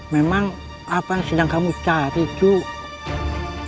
memang apa yang sedang kamu cari tuh